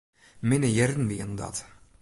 Minne jierren wienen dat.